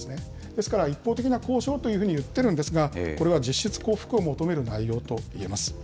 ですから一方的な交渉というのは、いってるんですが、これは実質降伏を求める内容といえます。